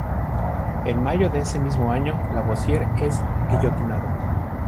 En mayo de ese mismo año, Lavoisier es guillotinado.